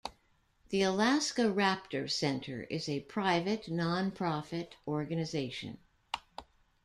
The Alaska Raptor Center is a private, nonprofit organization.